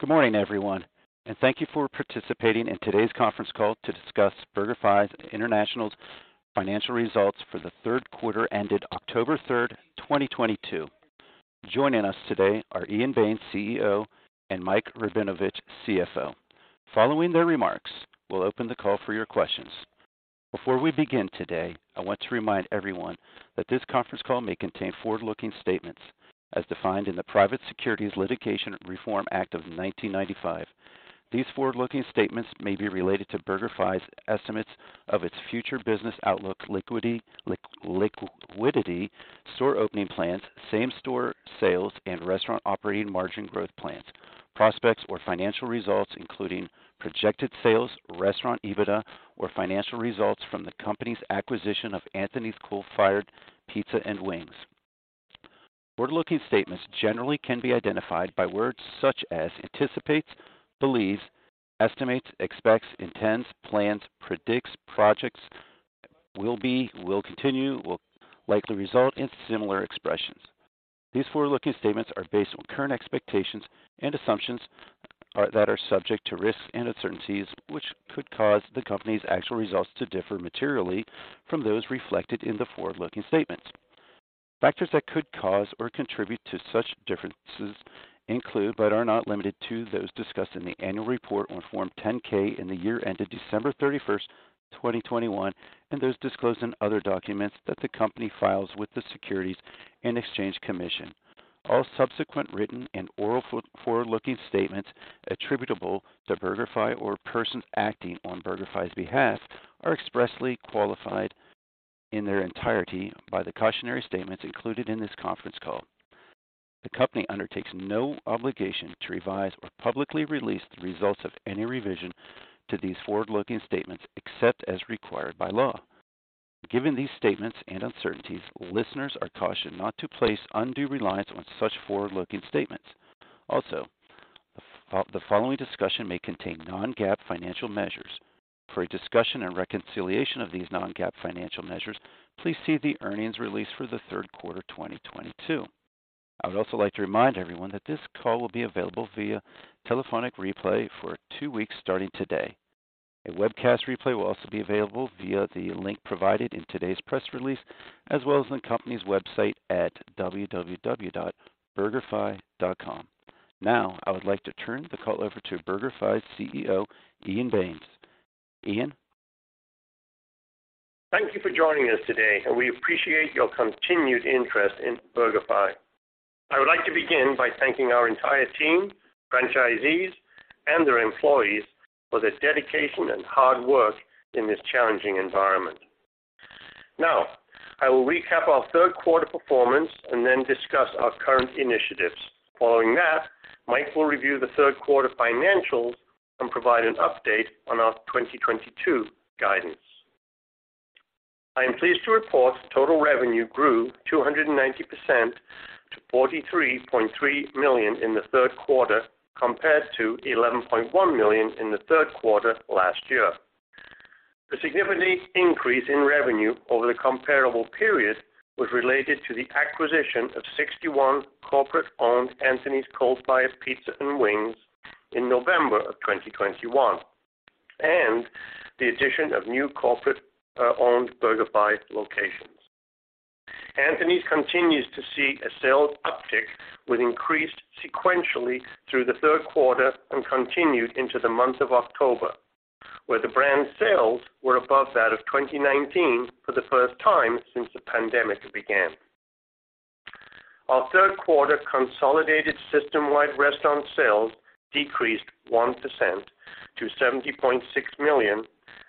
Good morning, everyone, and thank you for participating in today's conference call to discuss BurgerFi International's financial results for the third quarter ended October 3, 2022. Joining us today are Ian Baines, CEO, and Mike Rabinovitch, CFO. Following their remarks, we'll open the call for your questions. Before we begin today, I want to remind everyone that this conference call may contain forward-looking statements as defined in the Private Securities Litigation Reform Act of 1995. These forward-looking statements may be related to BurgerFi's estimates of its future business outlook, liquidity, store opening plans, same-store sales, and restaurant operating margin growth plans, prospects or financial results, including projected sales, restaurant EBITDA, or financial results from the company's acquisition of Anthony's Coal Fired Pizza & Wings. Forward-looking statements generally can be identified by words such as anticipates, believes, estimates, expects, intends, plans, predicts, projects, will be, will continue, will likely result and similar expressions. These forward-looking statements are based on current expectations and assumptions that are subject to risks and uncertainties, which could cause the company's actual results to differ materially from those reflected in the forward-looking statements. Factors that could cause or contribute to such differences include, but are not limited to, those discussed in the annual report on Form 10-K in the year ended December 31st, 2021, and those disclosed in other documents that the company files with the Securities and Exchange Commission. All subsequent written and oral forward-looking statements attributable to BurgerFi or persons acting on BurgerFi's behalf are expressly qualified in their entirety by the cautionary statements included in this conference call. The company undertakes no obligation to revise or publicly release the results of any revision to these forward-looking statements except as required by law. Given these statements and uncertainties, listeners are cautioned not to place undue reliance on such forward-looking statements. Also, the following discussion may contain non-GAAP financial measures. For a discussion and reconciliation of these non-GAAP financial measures, please see the earnings release for the third quarter 2022. I would also like to remind everyone that this call will be available via telephonic replay for two weeks starting today. A webcast replay will also be available via the link provided in today's press release, as well as on the company's website at www.burgerfi.com. Now, I would like to turn the call over to BurgerFi's CEO, Ian Baines. Ian. Thank you for joining us today, and we appreciate your continued interest in BurgerFi. I would like to begin by thanking our entire team, franchisees, and their employees for their dedication and hard work in this challenging environment. Now, I will recap our third quarter performance and then discuss our current initiatives. Following that, Mike will review the third quarter financials and provide an update on our 2022 guidance. I am pleased to report total revenue grew 290% to $43.3 million in the third quarter, compared to $11.1 million in the third quarter last year. The significant increase in revenue over the comparable period was related to the acquisition of 61 corporate-owned Anthony's Coal Fired Pizza & Wings in November of 2021, and the addition of new corporate-owned BurgerFi locations. Anthony's continues to see a sales uptick with increased sequentially through the third quarter and continued into the month of October, where the brand sales were above that of 2019 for the first time since the pandemic began. Our third quarter consolidated systemwide restaurant sales decreased 1% to $70.6 million,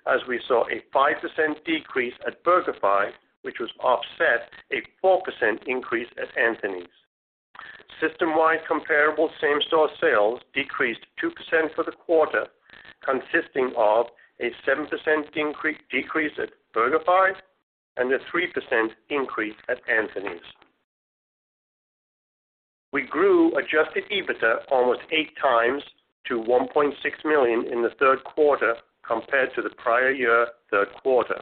as we saw a 5% decrease at BurgerFi, which was offset by a 4% increase at Anthony's. Systemwide comparable same-store sales decreased 2% for the quarter, consisting of a 7% decrease at BurgerFi and a 3% increase at Anthony's. We grew adjusted EBITDA almost 8x to $1.6 million in the third quarter compared to the prior year third quarter,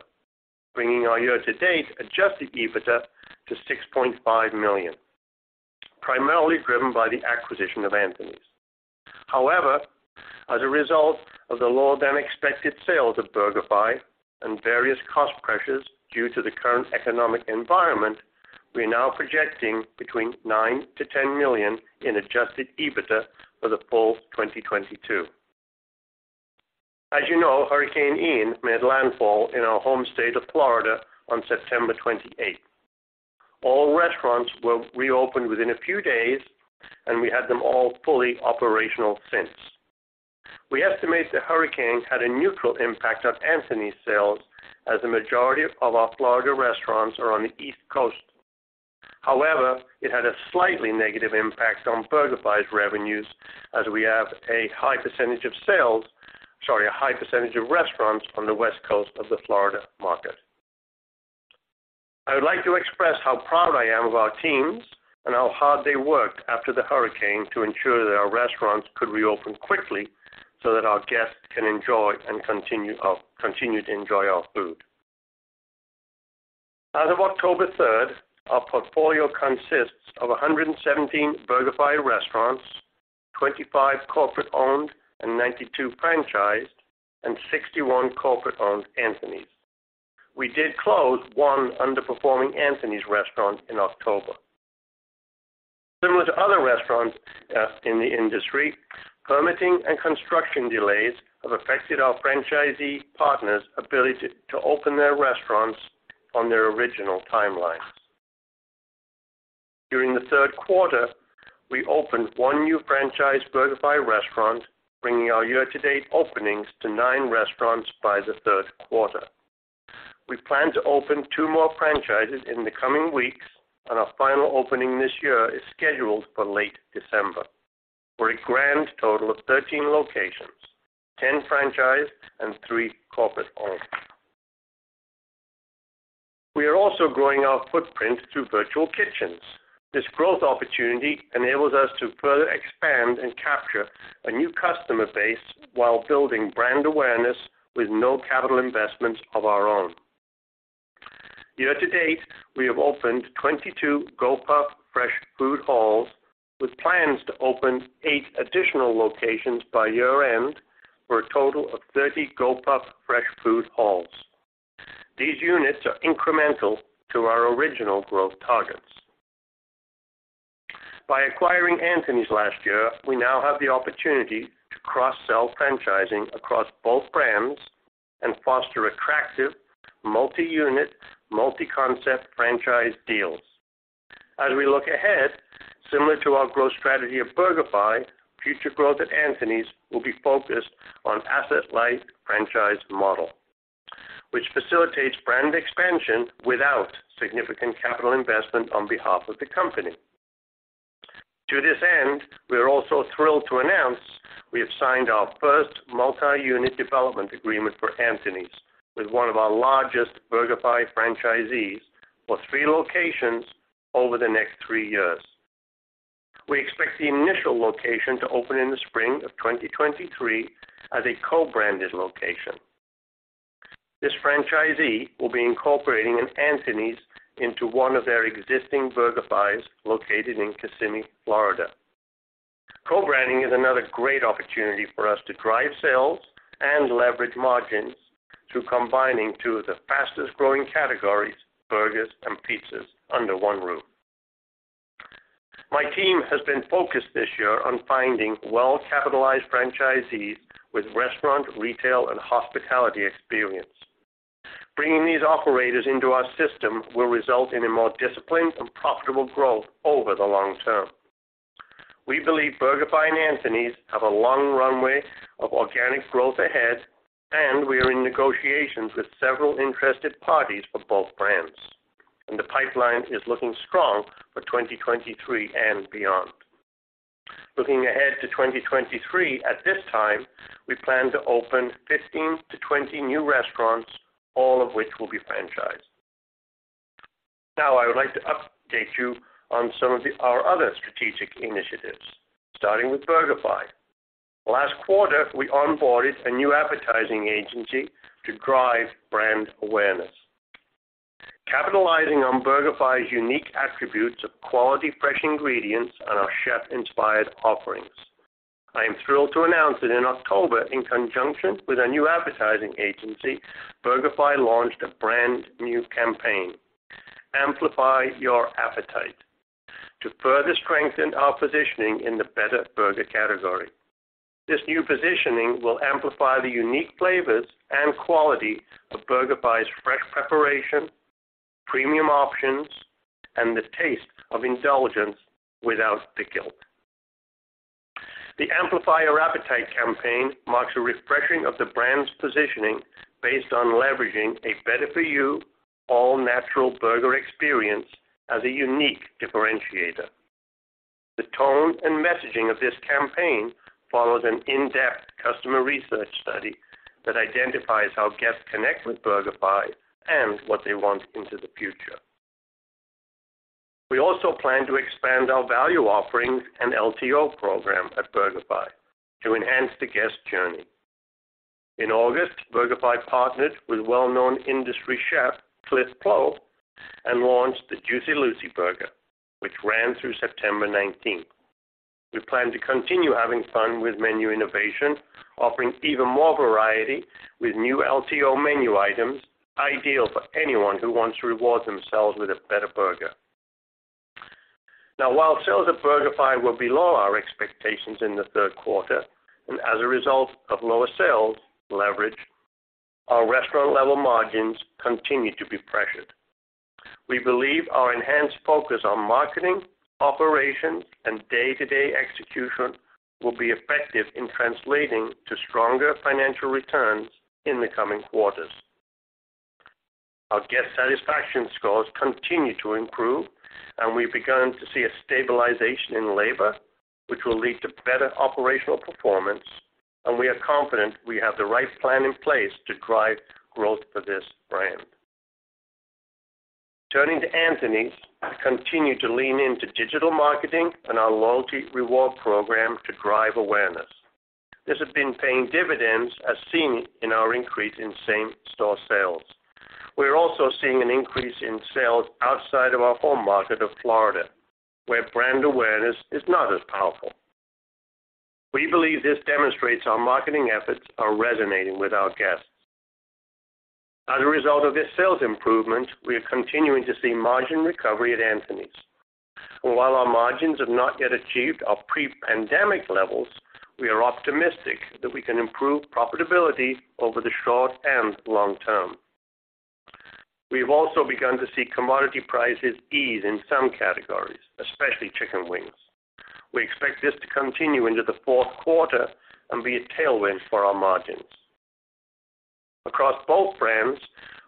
bringing our year-to-date adjusted EBITDA to $6.5 million, primarily driven by the acquisition of Anthony's. However, as a result of the lower-than-expected sales of BurgerFi and various cost pressures due to the current economic environment, we are now projecting between $9 million-$10 million in adjusted EBITDA for the full 2022. As you know, Hurricane Ian made landfall in our home state of Florida on September 28th. All restaurants were reopened within a few days, and we had them all fully operational since. We estimate the hurricane had a neutral impact on Anthony's sales as a majority of our Florida restaurants are on the East Coast. However, it had a slightly negative impact on BurgerFi's revenues as we have a high percentage of restaurants on the West Coast of the Florida market. I would like to express how proud I am of our teams and how hard they worked after the hurricane to ensure that our restaurants could reopen quickly so that our guests can enjoy and continue to enjoy our food. As of October 3rd, our portfolio consists of 117 BurgerFi restaurants, 25 corporate-owned, and 92 franchise, and 61 corporate-owned Anthony's. We did close one underperforming Anthony's restaurant in October. Similar to other restaurants in the industry, permitting and construction delays have affected our franchisee partners' ability to open their restaurants on their original timelines. During the third quarter, we opened one new franchise BurgerFi restaurant, bringing our year-to-date openings to nine restaurants by the third quarter. We plan to open two more franchises in the coming weeks, and our final opening this year is scheduled for late December for a grand total of 13 locations, 10 franchise and three corporate-owned. We are also growing our footprint through virtual kitchens. This growth opportunity enables us to further expand and capture a new customer base while building brand awareness with no capital investments of our own. Year-to-date, we have opened 22 Gopuff Fresh Food Halls, with plans to open eight additional locations by year-end for a total of 30 Gopuff Fresh Food Halls. These units are incremental to our original growth targets. By acquiring Anthony's last year, we now have the opportunity to cross-sell franchising across both brands and foster attractive multi-unit, multi-concept franchise deals. As we look ahead, similar to our growth strategy of BurgerFi, future growth at Anthony's will be focused on asset-light franchise model, which facilitates brand expansion without significant capital investment on behalf of the company. To this end, we are also thrilled to announce we have signed our first multi-unit development agreement for Anthony's with one of our largest BurgerFi franchisees for three locations over the next three years. We expect the initial location to open in the spring of 2023 as a co-branded location. This franchisee will be incorporating an Anthony's into one of their existing BurgerFi's located in Kissimmee, Florida. Co-branding is another great opportunity for us to drive sales and leverage margins through combining two of the fastest-growing categories, burgers and pizzas, under one roof. My team has been focused this year on finding well-capitalized franchisees with restaurant, retail, and hospitality experience. Bringing these operators into our system will result in a more disciplined and profitable growth over the long term. We believe BurgerFi and Anthony's have a long runway of organic growth ahead, and we are in negotiations with several interested parties for both brands, and the pipeline is looking strong for 2023 and beyond. Looking ahead to 2023, at this time, we plan to open 15-20 new restaurants, all of which will be franchised. Now, I would like to update you on some of our other strategic initiatives, starting with BurgerFi. Last quarter, we onboarded a new advertising agency to drive brand awareness, capitalizing on BurgerFi's unique attributes of quality, fresh ingredients, and our chef-inspired offerings. I am thrilled to announce that in October, in conjunction with our new advertising agency, BurgerFi launched a brand new campaign, Amplify Your Appetite, to further strengthen our positioning in the Better Burger category. This new positioning will amplify the unique flavors and quality of BurgerFi's fresh preparation, premium options, and the taste of indulgence without the guilt. The Amplify Your Appetite campaign marks a refreshing of the brand's positioning based on leveraging a better-for-you, all-natural burger experience as a unique differentiator. The tone and messaging of this campaign follows an in-depth customer research study that identifies how guests connect with BurgerFi and what they want into the future. We also plan to expand our value offerings and LTO program at BurgerFi to enhance the guest journey. In August, BurgerFi partnered with well-known industry chef, Cliff Pleau, and launched the Juicy Lucy Burger, which ran through September 19. We plan to continue having fun with menu innovation, offering even more variety with new LTO menu items, ideal for anyone who wants to reward themselves with a Better Burger. Now, while sales at BurgerFi were below our expectations in the third quarter, and as a result of lower sales leverage, our restaurant level margins continued to be pressured. We believe our enhanced focus on marketing, operations, and day-to-day execution will be effective in translating to stronger financial returns in the coming quarters. Our guest satisfaction scores continue to improve, and we've begun to see a stabilization in labor, which will lead to better operational performance, and we are confident we have the right plan in place to drive growth for this brand. Turning to Anthony's, we continue to lean into digital marketing and our loyalty reward program to drive awareness. This has been paying dividends as seen in our increase in same-store sales. We are also seeing an increase in sales outside of our home market of Florida, where brand awareness is not as powerful. We believe this demonstrates our marketing efforts are resonating with our guests. As a result of this sales improvement, we are continuing to see margin recovery at Anthony's. While our margins have not yet achieved our pre-pandemic levels, we are optimistic that we can improve profitability over the short and long term. We've also begun to see commodity prices ease in some categories, especially chicken wings. We expect this to continue into the fourth quarter and be a tailwind for our margins. Across both brands,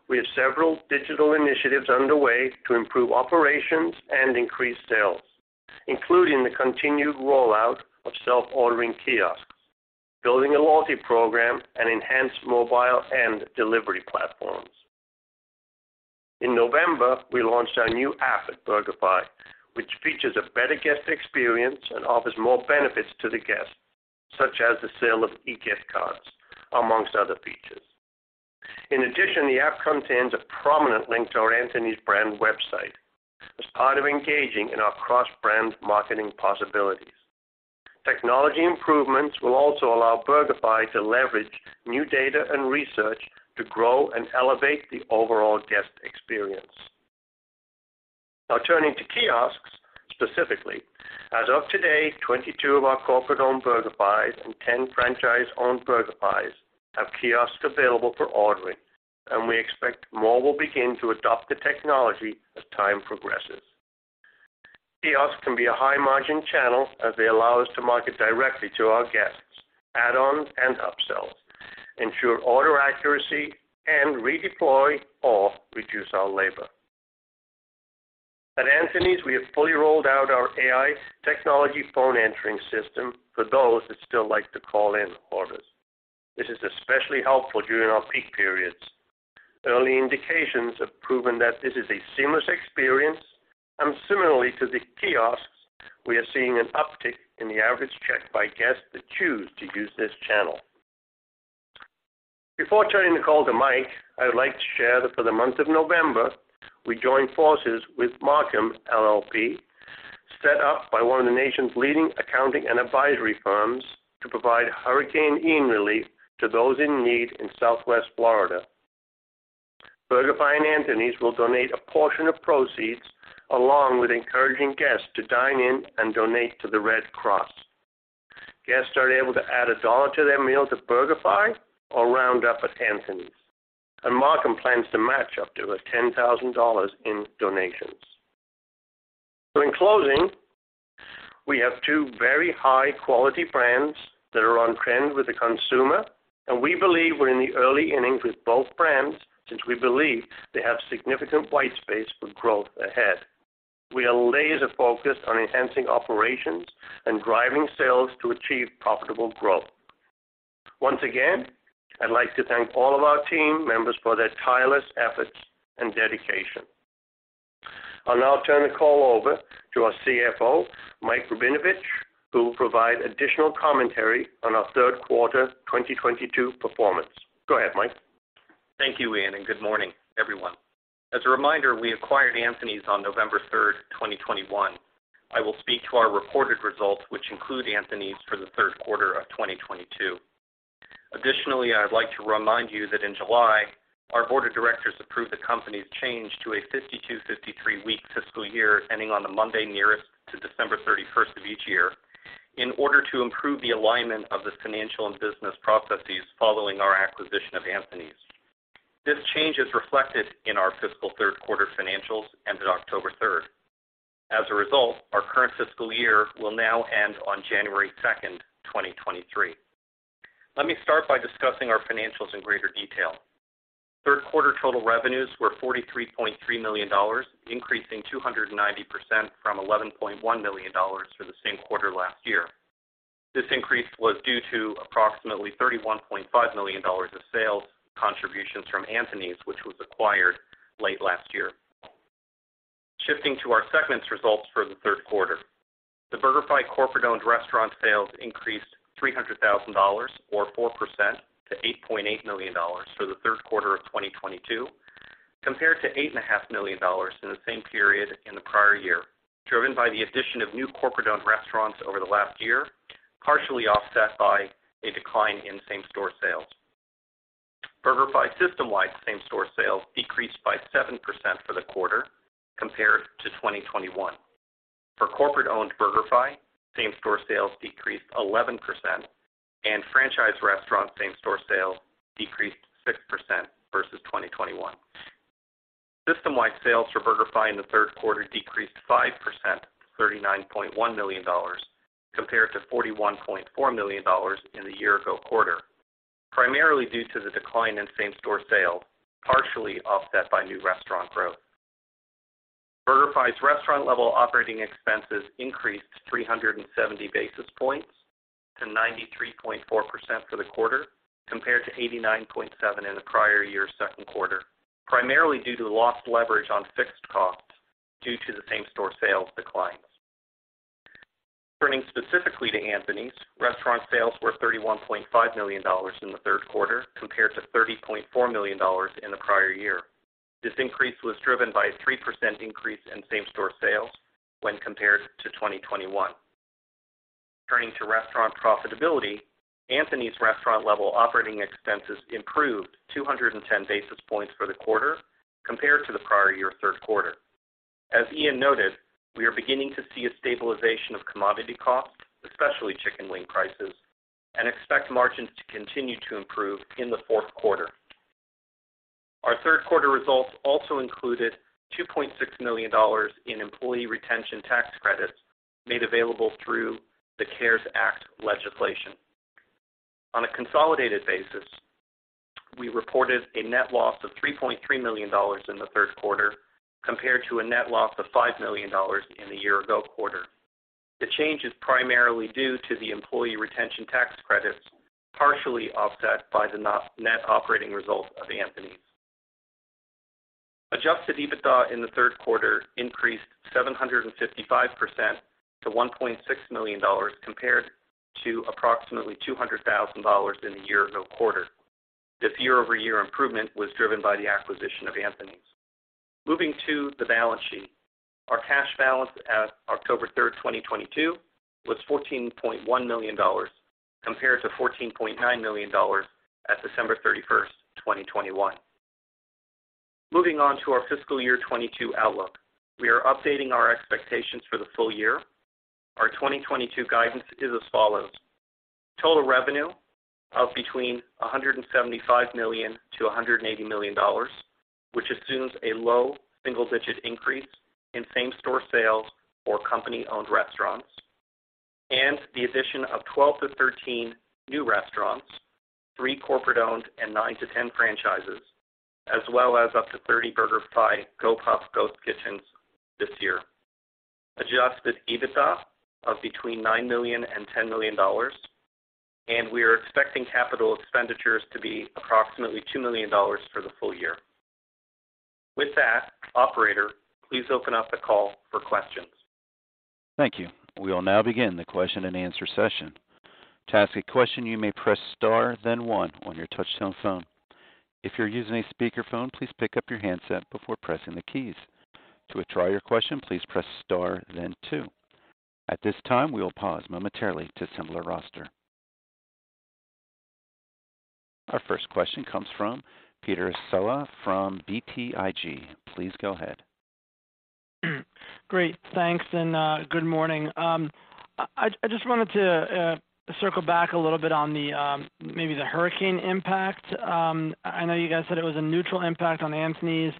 we have several digital initiatives underway to improve operations and increase sales, including the continued rollout of self-ordering kiosks, building a loyalty program, and enhanced mobile and delivery platforms. In November, we launched our new app at BurgerFi, which features a better guest experience and offers more benefits to the guest, such as the sale of e-gift cards, among other features. In addition, the app contains a prominent link to our Anthony's brand website as part of engaging in our cross-brand marketing possibilities. Technology improvements will also allow BurgerFi to leverage new data and research to grow and elevate the overall guest experience. Now turning to kiosks specifically. As of today, 22 of our corporate-owned BurgerFis and 10 franchise-owned BurgerFis have kiosks available for ordering, and we expect more will begin to adopt the technology as time progresses. Kiosks can be a high-margin channel as they allow us to market directly to our guests, add-ons, and upsells, ensure order accuracy, and redeploy or reduce our labor. At Anthony's, we have fully rolled out our AI technology phone ordering system for those that still like to call in orders. This is especially helpful during our peak periods. Early indications have proven that this is a seamless experience, and similarly to the kiosks, we are seeing an uptick in the average check by guests that choose to use this channel. Before turning the call to Mike, I would like to share that for the month of November, we joined forces with Marcum LLP, set up by one of the nation's leading accounting and advisory firms to provide Hurricane Ian relief to those in need in Southwest Florida. BurgerFi and Anthony's will donate a portion of proceeds along with encouraging guests to dine in and donate to the Red Cross. Guests are able to add a dollar to their meal to BurgerFi or round up at Anthony's. Marcum plans to match up to $10,000 in donations. In closing, we have two very high-quality brands that are on trend with the consumer, and we believe we're in the early innings with both brands, since we believe they have significant white space for growth ahead. We are laser-focused on enhancing operations and driving sales to achieve profitable growth. Once again, I'd like to thank all of our team members for their tireless efforts and dedication. I'll now turn the call over to our CFO, Mike Rabinovitch, who will provide additional commentary on our third quarter 2022 performance. Go ahead, Mike. Thank you, Ian, and good morning, everyone. As a reminder, we acquired Anthony's on November 3rd, 2021. I will speak to our reported results, which include Anthony's for the third quarter of 2022. Additionally, I'd like to remind you that in July, our board of directors approved the company's change to a 52-53-week fiscal year ending on the Monday nearest to December 31st of each year in order to improve the alignment of the financial and business processes following our acquisition of Anthony's. This change is reflected in our fiscal third quarter financials ended October 3rd. As a result, our current fiscal year will now end on January 2nd, 2023. Let me start by discussing our financials in greater detail. Third quarter total revenues were $43.3 million, increasing 290% from $11.1 million for the same quarter last year. This increase was due to approximately $31.5 million of sales contributions from Anthony's, which was acquired late last year. Shifting to our segments results for the third quarter. The BurgerFi corporate-owned restaurant sales increased $300,000, or 4% to $8.8 million for the third quarter of 2022, compared to $8.5 million in the same period in the prior year, driven by the addition of new corporate-owned restaurants over the last year, partially offset by a decline in same-store sales. BurgerFi systemwide same-store sales decreased by 7% for the quarter compared to 2021. For corporate-owned BurgerFi, same-store sales decreased 11% and franchise restaurant same-store sales decreased 6% versus 2021. Systemwide sales for BurgerFi in the third quarter decreased 5% to $39.1 million, compared to $41.4 million in the year ago quarter, primarily due to the decline in same-store sales, partially offset by new restaurant growth. BurgerFi's restaurant level operating expenses increased 370 basis points to 93.4% for the quarter, compared to 89.7% in the prior year's second quarter, primarily due to lost leverage on fixed costs, due to the same-store sales declines. Turning specifically to Anthony's, restaurant sales were $31.5 million in the third quarter compared to $30.4 million in the prior year. This increase was driven by a 3% increase in same-store sales when compared to 2021. Turning to restaurant profitability, Anthony's restaurant level operating expenses improved 210 basis points for the quarter compared to the prior year third quarter. As Ian noted, we are beginning to see a stabilization of commodity costs, especially chicken wing prices, and expect margins to continue to improve in the fourth quarter. Our third quarter results also included $2.6 million in Employee Retention Tax Credit made available through the CARES Act legislation. On a consolidated basis, we reported a net loss of $3.3 million in the third quarter compared to a net loss of $5 million in the year ago quarter. The change is primarily due to the Employee Retention Tax Credit, partially offset by the net operating results of Anthony's. Adjusted EBITDA in the third quarter increased 755% to $1.6 million compared to approximately $200,000 in the year-ago quarter. This year-over-year improvement was driven by the acquisition of Anthony's. Moving to the balance sheet. Our cash balance at October 3rd, 2022 was $14.1 million compared to $14.9 million at December 31st, 2021. Moving on to our fiscal year 2022 outlook. We are updating our expectations for the full year. Our 2022 guidance is as follows: Total revenue of between $175 million-$180 million, which assumes a low single-digit increase in same-store sales for company-owned restaurants and the addition of 12-13 new restaurants, three corporate-owned and nine-10 franchises, as well as up to 30 BurgerFi Gopuff ghost kitchens this year. Adjusted EBITDA of between $9 million-$10 million, and we are expecting capital expenditures to be approximately $2 million for the full year. With that, operator, please open up the call for questions. Thank you. We will now begin the question and answer session. To ask a question, you may press star then one on your touchtone phone. If you're using a speakerphone, please pick up your handset before pressing the keys. To withdraw your question, please press star then two. At this time, we will pause momentarily to assemble our roster. Our first question comes from Peter Saleh from BTIG. Please go ahead. Great. Thanks, and good morning. I just wanted to circle back a little bit on the maybe the hurricane impact. I know you guys said it was a neutral impact on Anthony's,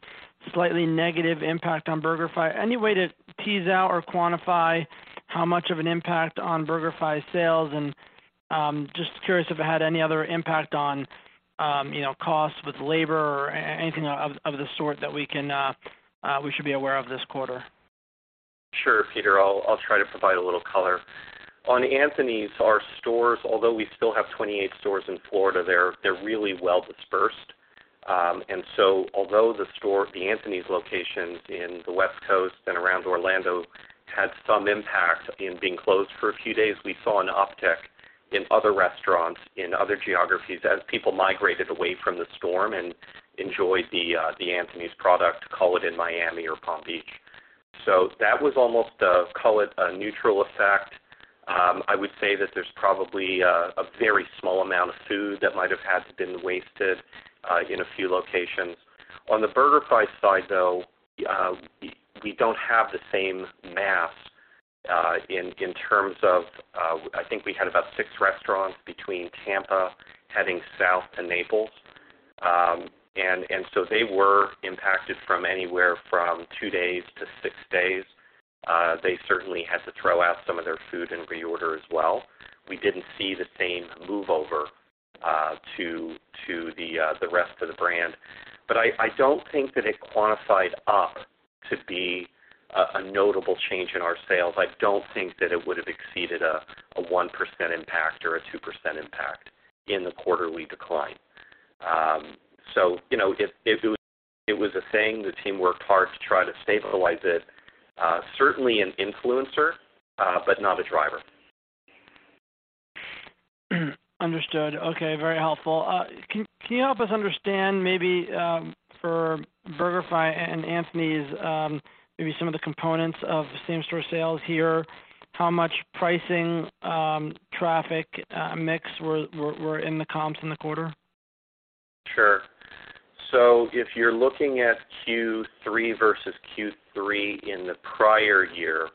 slightly negative impact on BurgerFi. Any way to tease out or quantify how much of an impact on BurgerFi's sales, and just curious if it had any other impact on you know, costs with labor or anything of the sort that we should be aware of this quarter. Sure, Peter. I'll try to provide a little color. On Anthony's, our stores, although we still have 28 stores in Florida, they're really well dispersed. Although the Anthony's locations in the West Coast and around Orlando had some impact in being closed for a few days, we saw an uptick in other restaurants in other geographies as people migrated away from the storm and enjoyed the Anthony's product, call it in Miami or Palm Beach. That was almost a, call it a neutral effect. I would say that there's probably a very small amount of food that might have had been wasted in a few locations. On the BurgerFi side, though, we don't have the same mass in terms of, I think we had about six restaurants between Tampa heading south to Naples. They were impacted from anywhere from two days to six days. They certainly had to throw out some of their food and reorder as well. We didn't see the same move over to the rest of the brand. I don't think that it quantified up to be a notable change in our sales. I don't think that it would have exceeded a 1% impact or a 2% impact in the quarterly decline. You know, if it was a thing, the team worked hard to try to stabilize it. Certainly an influencer, but not a driver. Understood. Okay, very helpful. Can you help us understand maybe for BurgerFi and Anthony's, maybe some of the components of same-store sales here, how much pricing, traffic, mix were in the comps in the quarter? Sure. If you're looking at Q3 versus Q3 in the prior year,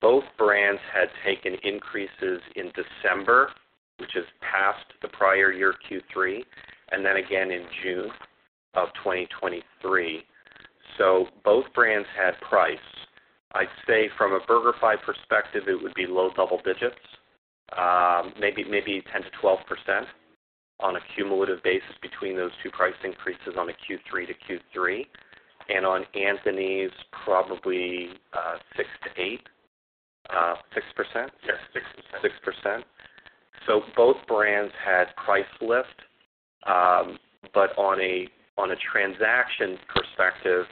both brands had taken increases in December, which is past the prior year Q3, and then again in June of 2023. Both brands had price. I'd say from a BurgerFi perspective, it would be low double digits, maybe 10%-12% on a cumulative basis between those two price increases on the Q3 to Q3. On Anthony's, probably, 6%-8%. 6%? Yes. Both brands had price lift. But on a transaction perspective,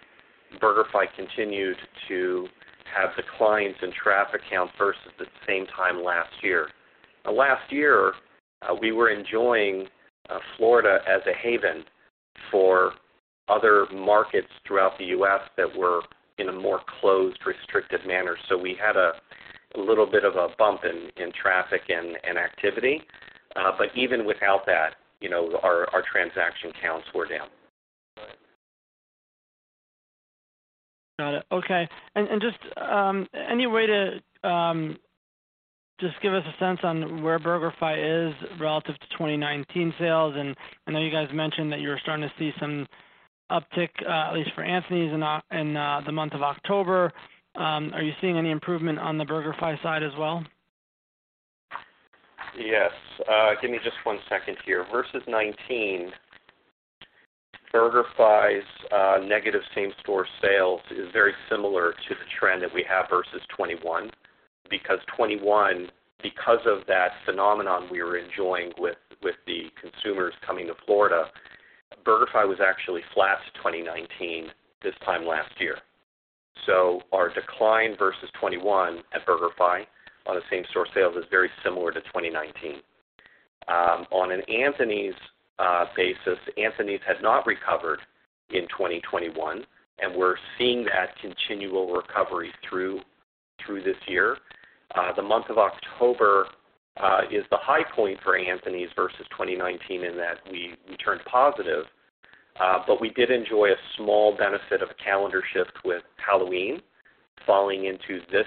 BurgerFi continued to have declines in traffic count versus the same time last year. Last year, we were enjoying Florida as a haven for other markets throughout the U.S. that were in a more closed, restricted manner. We had a little bit of a bump in traffic and activity. Even without that, you know, our transaction counts were down. Got it. Okay. Just any way to just give us a sense on where BurgerFi is relative to 2019 sales? I know you guys mentioned that you were starting to see some uptick at least for Anthony's in the month of October. Are you seeing any improvement on the BurgerFi side as well? Yes. Give me just one second here. Versus 2019, BurgerFi's negative same-store sales is very similar to the trend that we have versus 2021. Because of that phenomenon we were enjoying with the consumers coming to Florida, BurgerFi was actually flat to 2019 this time last year. Our decline versus 2021 at BurgerFi on the same-store sales is very similar to 2019. On an Anthony's basis, Anthony's had not recovered in 2021, and we're seeing that continual recovery through this year. The month of October is the high point for Anthony's versus 2019 in that we turned positive, but we did enjoy a small benefit of a calendar shift with Halloween falling into this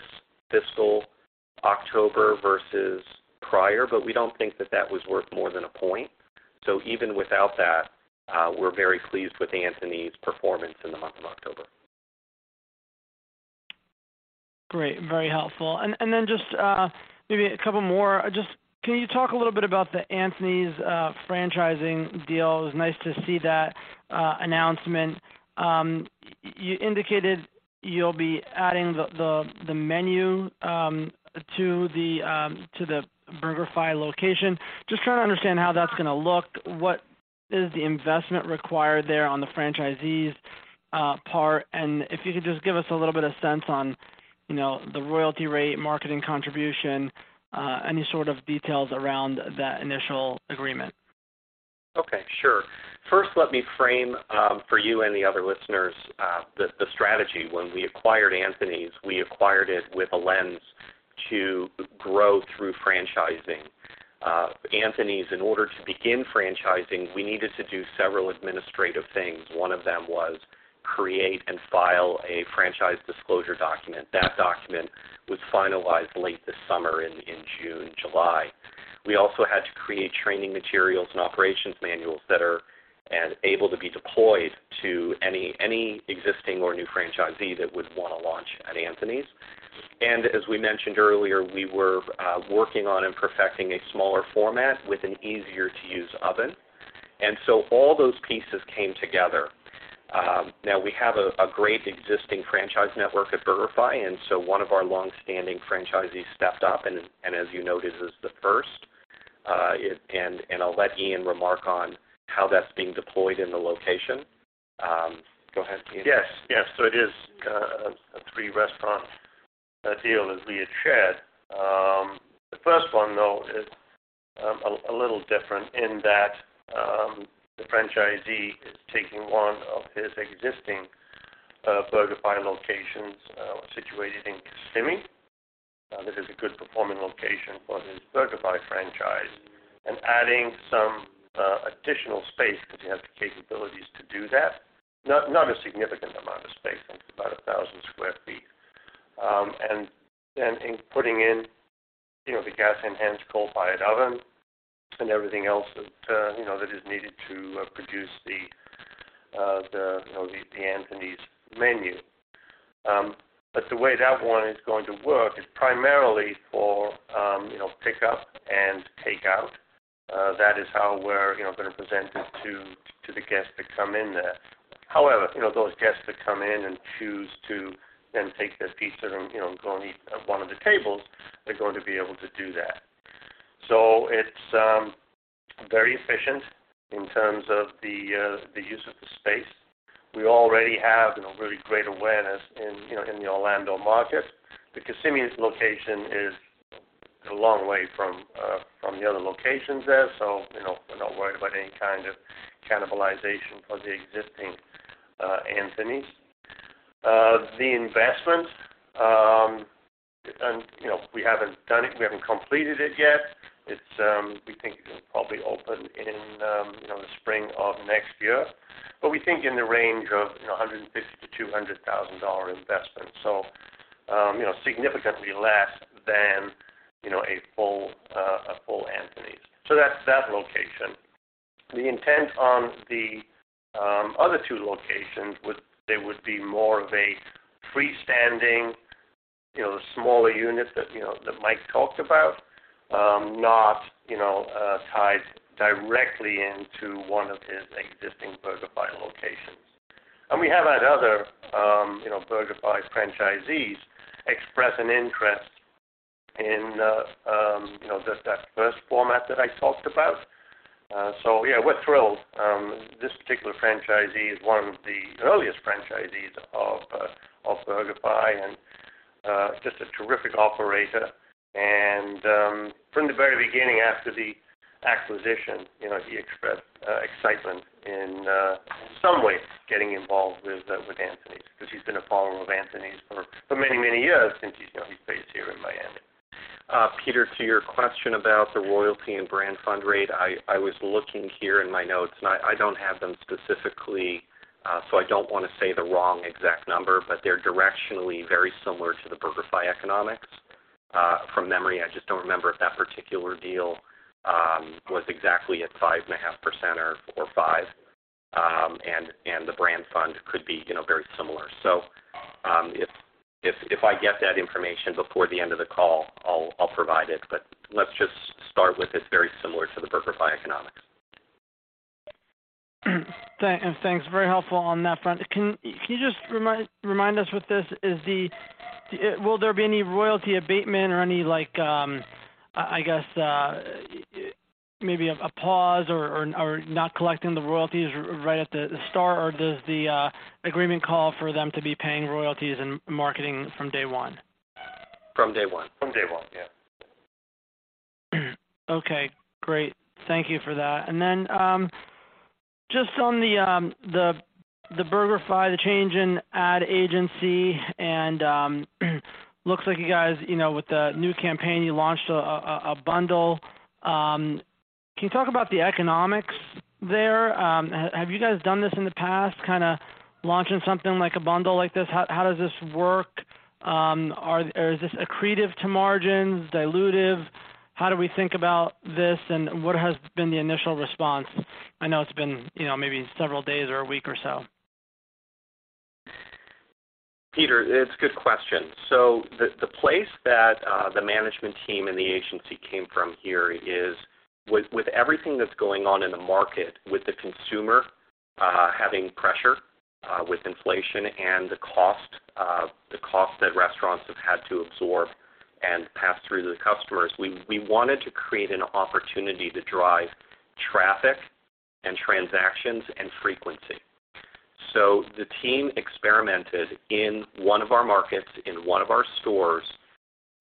fiscal October versus prior. We don't think that that was worth more than a point. Even without that, we're very pleased with Anthony's performance in the month of October. Great. Very helpful. Then just maybe a couple more. Just can you talk a little bit about the Anthony's franchising deal? It was nice to see that announcement. You indicated you'll be adding the menu to the BurgerFi location. Just trying to understand how that's gonna look. What is the investment required there on the franchisees' part? If you could just give us a little bit of sense on, you know, the royalty rate, marketing contribution, any sort of details around that initial agreement. Okay, sure. First, let me frame for you and the other listeners the strategy. When we acquired Anthony's, we acquired it with a lens to grow through franchising. Anthony's, in order to begin franchising, we needed to do several administrative things. One of them was create and file a Franchise Disclosure Document. That document was finalized late this summer in June, July. We also had to create training materials and operations manuals that are as able to be deployed to any existing or new franchisee that would wanna launch at Anthony's. As we mentioned earlier, we were working on and perfecting a smaller format with an easier-to-use oven. All those pieces came together. Now we have a great existing franchise network at BurgerFi, and so one of our longstanding franchisees stepped up and, as you noted, is the first. I'll let Ian remark on how that's being deployed in the location. Go ahead, Ian. Yes. Yes. It is a three-restaurant deal as we had shared. The first one, though, is a little different in that the franchisee is taking one of his existing BurgerFi locations situated in Kissimmee. This is a good performing location for his BurgerFi franchise and adding some additional space because he has the capabilities to do that. Not a significant amount of space, only about 1,000 sq ft. In putting in, you know, the gas-enhanced coal-fired oven and everything else that you know that is needed to produce the you know the Anthony's menu. But the way that one is going to work is primarily for you know pickup and takeout. That is how we're, you know, gonna present it to the guests that come in there. However, you know, those guests that come in and choose to then take their pizza and, you know, go and eat at one of the tables, they're going to be able to do that. It's very efficient in terms of the use of the space. We already have, you know, really great awareness in, you know, in the Orlando market. The Kissimmee location is a long way from the other locations there, so, you know, we're not worried about any kind of cannibalization of the existing Anthony's. The investment and, you know, we haven't done it. We haven't completed it yet. It's we think it'll probably open in, you know, the spring of next year. We think in the range of, you know, $150,000-$200,000 investment. So, you know, significantly less than, you know, a full Anthony's. So that's that location. The intent on the other two locations would be more of a freestanding, you know, smaller unit that, you know, that Mike talked about, not, you know, tied directly into one of his existing BurgerFi locations. We have had other, you know, BurgerFi franchisees express an interest in, you know, just that first format that I talked about. So yeah, we're thrilled. This particular franchisee is one of the earliest franchisees of BurgerFi and just a terrific operator. From the very beginning after the acquisition, you know, he expressed excitement in some way getting involved with Anthony's because he's been a follower of Anthony's for many years since he's, you know, he's based here in Miami. Peter, to your question about the royalty and brand fund rate, I was looking here in my notes, and I don't have them specifically, so I don't wanna say the wrong exact number, but they're directionally very similar to the BurgerFi economics, from memory. I just don't remember if that particular deal was exactly at 5.5% or 5%. The brand fund could be, you know, very similar. If I get that information before the end of the call, I'll provide it. But let's just start with it's very similar to the BurgerFi economics. Thanks, very helpful on that front. Can you just remind us with this? Will there be any royalty abatement or any like, I guess, maybe a pause or not collecting the royalties right at the start, or does the agreement call for them to be paying royalties and marketing from day one? From day one. From day one. Yeah. Okay, great. Thank you for that. Just on the BurgerFi, the change in ad agency and looks like you guys, you know, with the new campaign, you launched a bundle. Can you talk about the economics there? Have you guys done this in the past, kinda launching something like a bundle like this? How does this work? Is this accretive to margins, dilutive? How do we think about this, and what has been the initial response? I know it's been, you know, maybe several days or a week or so. Peter, it's a good question. The place that the management team and the agency came from here is with everything that's going on in the market, with the consumer having pressure with inflation and the cost that restaurants have had to absorb and pass through to the customers. We wanted to create an opportunity to drive traffic and transactions and frequency. The team experimented in one of our markets, in one of our stores,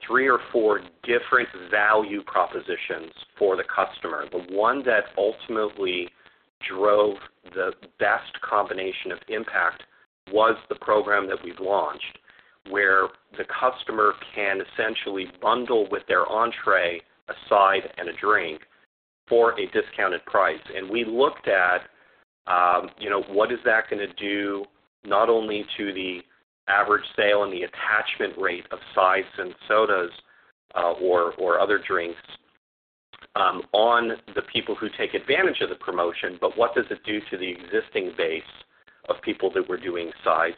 three or four different value propositions for the customer. The one that ultimately drove the best combination of impact was the program that we've launched, where the customer can essentially bundle with their entrée, a side and a drink for a discounted price. We looked at, you know, what is that gonna do not only to the average sale and the attachment rate of sides and sodas, or other drinks, on the people who take advantage of the promotion, but what does it do to the existing base of people that were doing sides?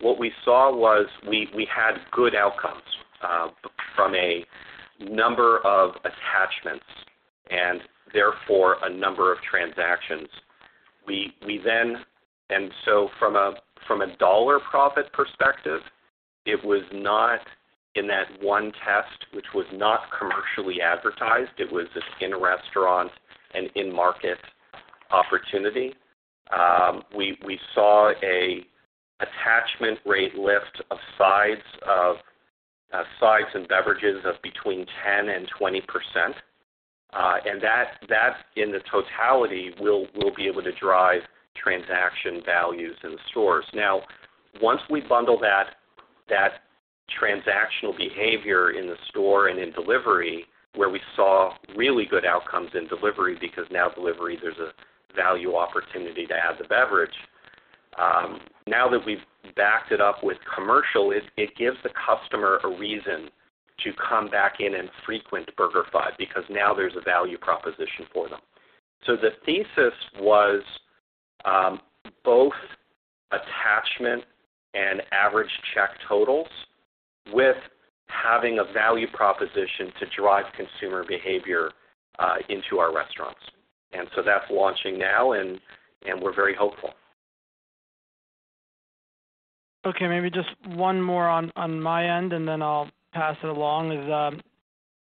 What we saw was we had good outcomes from a number of attachments and therefore a number of transactions. We then from a dollar profit perspective, it was not in that one test, which was not commercially advertised. It was just in-restaurant and in-market opportunity. We saw an attachment rate lift of sides and beverages of between 10% and 20%. That in the totality will be able to drive transaction values in the stores. Now, once we bundle that transactional behavior in the store and in delivery, where we saw really good outcomes in delivery, because now delivery, there's a value opportunity to add the beverage. Now that we've backed it up with commercial, it gives the customer a reason to come back in and frequent BurgerFi because now there's a value proposition for them. The thesis was both attachment and average check totals with having a value proposition to drive consumer behavior into our restaurants. That's launching now, and we're very hopeful. Okay, maybe just one more on my end, and then I'll pass it along.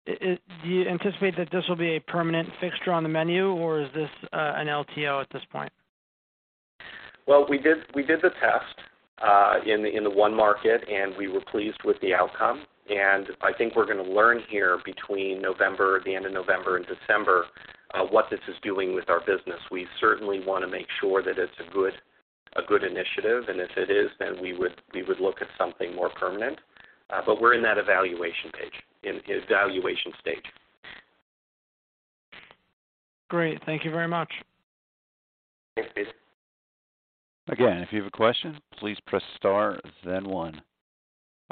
Do you anticipate that this will be a permanent fixture on the menu, or is this an LTO at this point? Well, we did the test in the one market, and we were pleased with the outcome. I think we're gonna learn here between November, the end of November and December what this is doing with our business. We certainly wanna make sure that it's a good initiative, and if it is, then we would look at something more permanent. We're in that evaluation stage. Great. Thank you very much. Thanks, Peter. Again, if you have a question, please press star then one.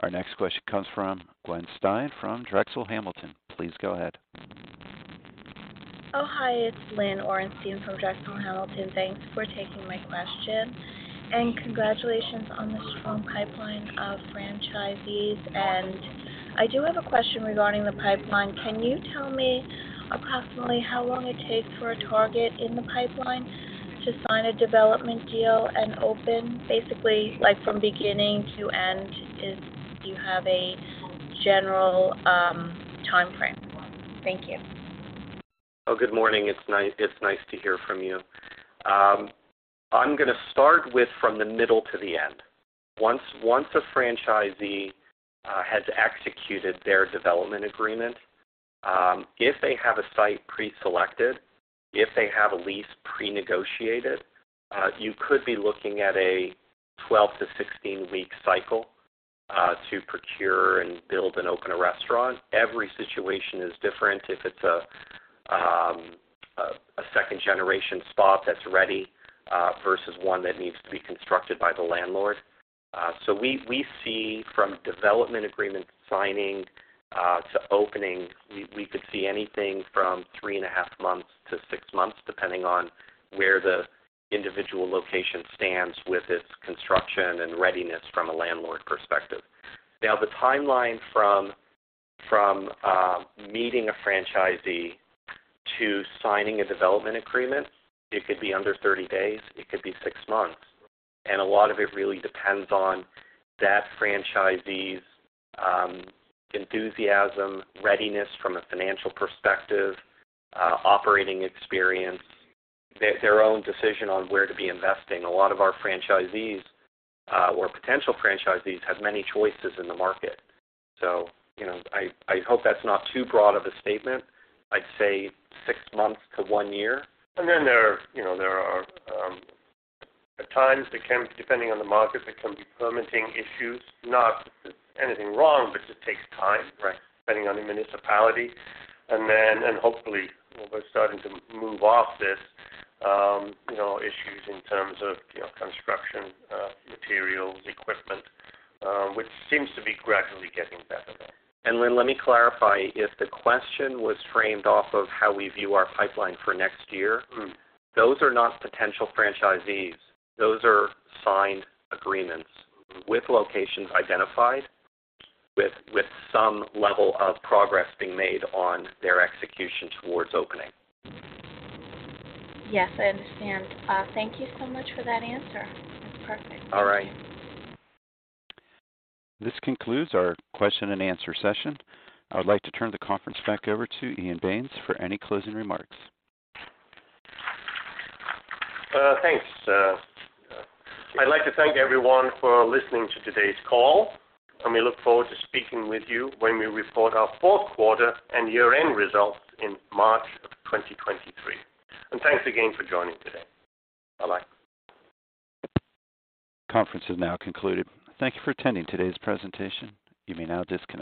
Our next question comes from Gwen Stein from Drexel Hamilton. Please go ahead. Oh, hi, it's Lynn Orenstein from Drexel Hamilton. Thanks for taking my question, and congratulations on the strong pipeline of franchisees. I do have a question regarding the pipeline. Can you tell me approximately how long it takes for a target in the pipeline to sign a development deal and open basically like from beginning to end? Do you have a general timeframe? Thank you. Oh, good morning. It's nice to hear from you. I'm gonna start with from the middle to the end. Once a franchisee has executed their development agreement, if they have a site pre-selected, if they have a lease pre-negotiated, you could be looking at a 12-16-week cycle to procure and build and open a restaurant. Every situation is different. If it's a second-generation spot that's ready versus one that needs to be constructed by the landlord. We see from development agreement signing to opening, we could see anything from 3.5 months to six months, depending on where the individual location stands with its construction and readiness from a landlord perspective. Now, the timeline from meeting a franchisee to signing a development agreement, it could be under 30 days, it could be six months, and a lot of it really depends on that franchisee's enthusiasm, readiness from a financial perspective, operating experience, their own decision on where to be investing. A lot of our franchisees or potential franchisees have many choices in the market. You know, I hope that's not too broad of a statement. I'd say six months to one year. There are, you know, at times there can be permitting issues depending on the market, not anything wrong, but just takes time depending on the municipality. Hopefully we're starting to move off this, you know, issues in terms of, you know, construction, materials, equipment, which seems to be gradually getting better now. Lynn, let me clarify. If the question was framed off of how we view our pipeline for next year. Those are not potential franchisees. Those are signed agreements with locations identified, with some level of progress being made on their execution towards opening. Yes, I understand. Thank you so much for that answer. That's perfect. All right. This concludes our question and answer session. I would like to turn the conference back over to Ian Baines for any closing remarks. Thanks, I'd like to thank everyone for listening to today's call, and we look forward to speaking with you when we report our fourth quarter and year-end results in March of 2023. Thanks again for joining today. Bye-bye. Conference is now concluded. Thank you for attending today's presentation. You may now disconnect.